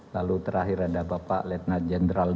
lalu terakhir ada bapak letna jenderal